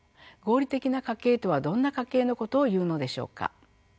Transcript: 合理的な家計とはどんな家計のことをいうのでしょうか。